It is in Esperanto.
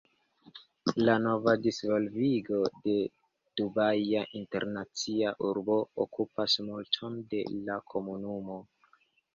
La nova disvolvigo de Dubaja Internacia Urbo okupas multon de la komunumo.